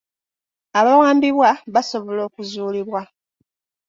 Abawambibwa basobola okuzuulibwa.